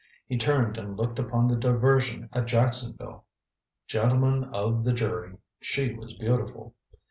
He turned and looked upon the diversion at Jacksonville. Gentlemen of the jury she was beautiful.